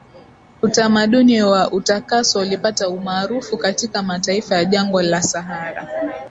utamaduni wa utakaso ulipata umaarufu katika mataifa ya jangwa la sahara